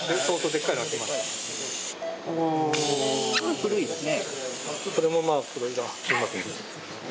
古いですね。